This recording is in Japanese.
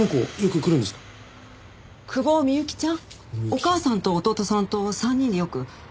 お母さんと弟さんと３人でよく。